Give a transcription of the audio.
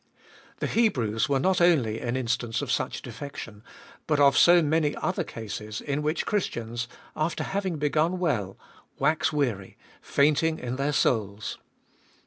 The Hebrews were not only an instance of such defection, but of so many other cases, in which Christians, after having begun well, wax weary, fainting in their souls.